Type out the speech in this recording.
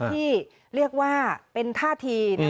ที่เรียกว่าเป็นท่าที